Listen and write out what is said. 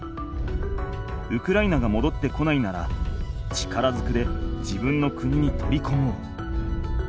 ウクライナがもどってこないなら力ずくで自分の国に取りこもう。